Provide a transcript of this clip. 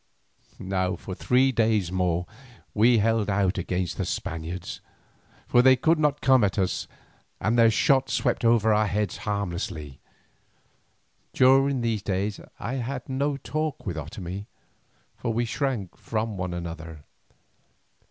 Now for three days more we held out against the Spaniards, for they could not come at us and their shot swept over our heads harmlessly. During these days I had no talk with Otomie, for we shrank from one another.